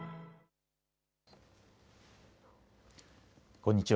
こんにちは。